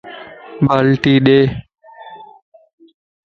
بالٽي ڏي